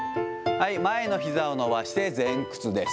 はい、前のひざを伸ばして前屈です。